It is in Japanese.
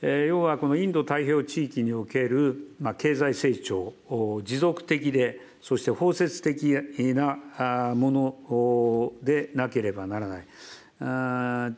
要は、このインド太平洋地域における経済成長を、持続的で、そして包摂的なものでなければならない。